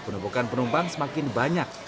penumpukan penumpang semakin banyak